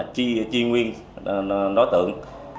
chuyên nguyên đối tượng